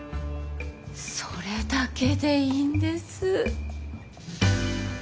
それだけでいいんです。